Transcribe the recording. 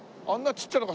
ちっちゃな傘。